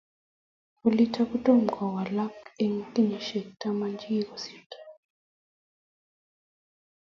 olitok kotomo kowalak eng kenyishek taman che kikosirto